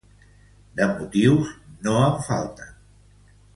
De motius, no en falten.